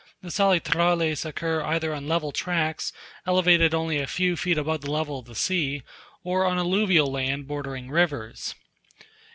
The salitrales occur either on level tracts elevated only a few feet above the level of the sea, or on alluvial land bordering rivers.